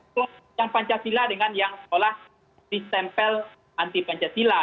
kelompok yang pancasila dengan yang seolah ditempel anti pancasila